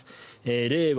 令和